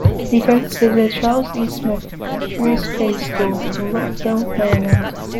He goes to the Charles E Smith Jewish Day School in Rockville, Maryland.